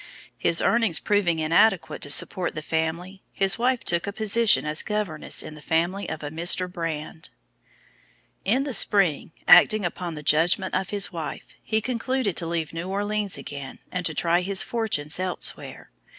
His earnings proving inadequate to support the family, his wife took a position as governess in the family of a Mr. Brand. In the spring, acting upon the judgment of his wife, he concluded to leave New Orleans again, and to try his fortunes elsewhere.